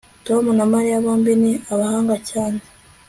Tom na Mariya bombi ni abahanga cyane